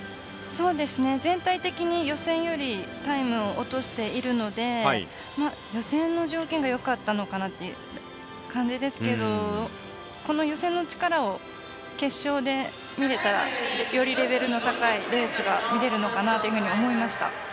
全体的に予選よりタイムを落としているので予選の条件がよかったのかなっていう感じですけどこの予選の力を決勝で見られたらよりレベルの高いレースが見れるのかなと思いました。